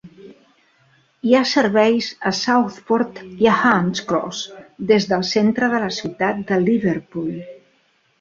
Hi ha serveis a Southport i a Hunts Cross des del centre de la ciutat de Liverpool.